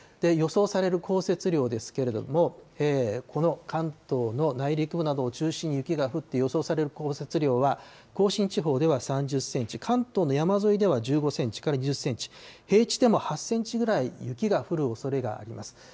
予想される降雪量ですけれども、この関東の内陸部などを中心に雪が降って予想される降雪量は、甲信地方では３０センチ、関東の山沿いでは１５センチから２０センチ、平地でも８センチぐらい雪が降るおそれがあります。